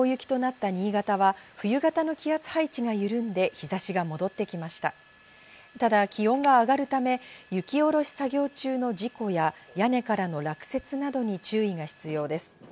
ただ気温が上がるため雪下ろし作業中の事故や、屋根からの落雪などに注意が必要です。